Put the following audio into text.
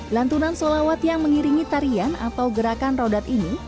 lantunan solawat yang mengiringi tarian atau gerakan rodat ini